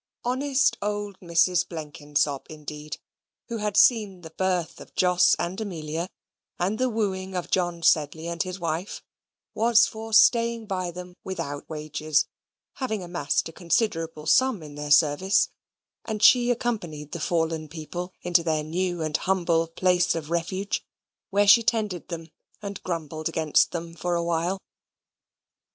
Honest old Mrs. Blenkinsop indeed, who had seen the birth of Jos and Amelia, and the wooing of John Sedley and his wife, was for staying by them without wages, having amassed a considerable sum in their service: and she accompanied the fallen people into their new and humble place of refuge, where she tended them and grumbled against them for a while.